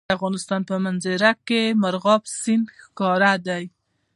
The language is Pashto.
د افغانستان په منظره کې مورغاب سیند ښکاره ده.